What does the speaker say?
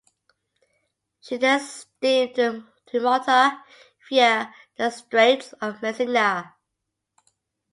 She then steamed to Malta via the Straits of Messina.